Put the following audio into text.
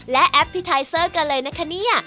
และแอปพลิไทเซอร์กันเลยนะคะเนี่ย